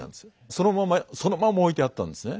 そのままそのまま置いてあったんですね。